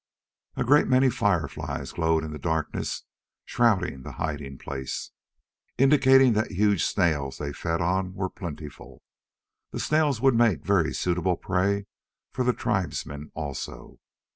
A great many fireflies glowed in the darkness shrouding the hiding place, indicating that the huge snails they fed on were plentiful. The snails would make very suitable prey for the tribesmen also.